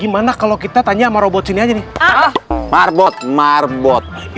betul kata ampu ampu udah bohong